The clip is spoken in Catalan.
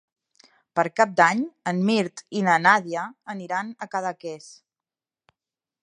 Per Cap d'Any en Mirt i na Nàdia aniran a Cadaqués.